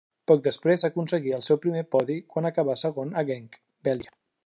Poc després, aconseguí el seu primer podi quan acabà segon a Genk, Bèlgica.